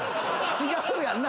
違うやんな？